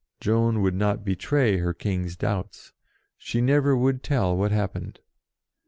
Joan would not betray her King's doubts. She never would tell what happened.